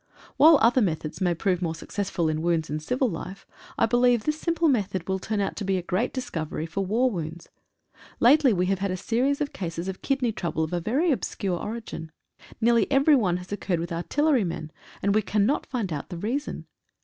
While other methods may prove more successful in wounds in civil life, I believe this simple method will turn out to be a great discovery for war wounds. Lately we have had a series of cases of kidney trouble of a very obscure origin. Nearly every one has occurred with artillery men, and we cannot find out the reason.